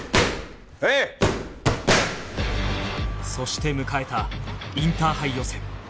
そして迎えたインターハイ予選